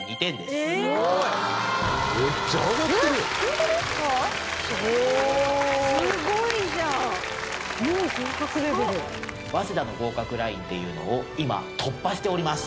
スゴいスゴいじゃん早稲田の合格ラインっていうのを今突破しております！